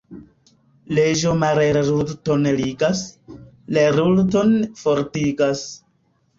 Leĝo mallertulon ligas, lertulon fortigas.